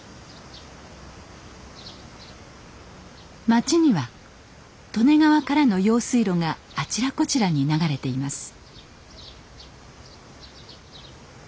町には利根川からの用水路があちらこちらに流れています。